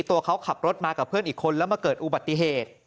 ตัวเขาขับรถมากับเพื่อนอีกคนแล้วมาเกิดอุบัติเหตุ